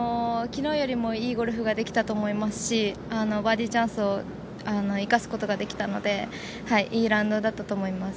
きのうよりもいいゴルフができたと思いますし、バーディーチャンスを生かすことができたので、いいラウンドだったと思います。